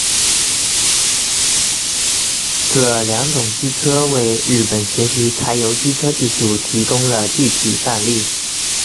这两种机车为日本学习柴油机车技术提供了具体范例。